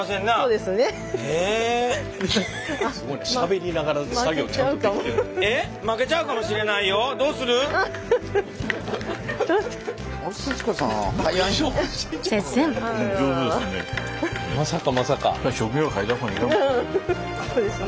うんそうですね。